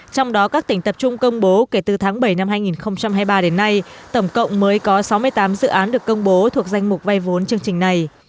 trong đó các tỉnh tập trung công bố kể từ tháng bảy năm hai nghìn hai mươi ba đến nay tổng cộng mới có sáu mươi tám dự án được công bố thuộc danh mục vay vốn chương trình này